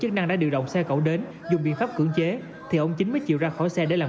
chức năng đã điều động xe cẩu đến dùng biện pháp cưỡng chế thì ông chính mới chịu ra khỏi xe để làm